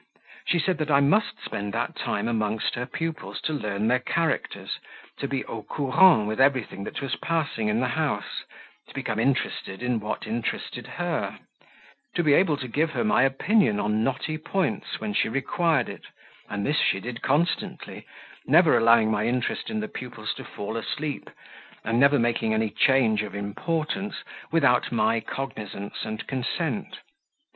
She said that I must spend that time amongst her pupils to learn their characters, to be AU COURANT with everything that was passing in the house, to become interested in what interested her, to be able to give her my opinion on knotty points when she required it, and this she did constantly, never allowing my interest in the pupils to fall asleep, and never making any change of importance without my cognizance and consent.